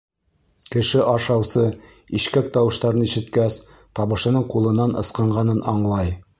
Кеше ашаусы, ишкәк тауыштарын ишеткәс, табышының ҡулынан ысҡынғанын аңлай.